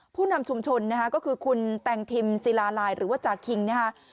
ผู้นำชุมชนนะฮะก็คือคุณแตงทิมศิลาลายหรือว่าจากคิงนะฮะ